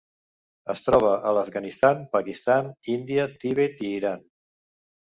Es troba a l'Afganistan, Pakistan, Índia, Tibet i Iran.